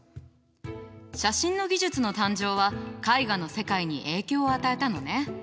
写真の技術の誕生は絵画の世界に影響を与えたのね。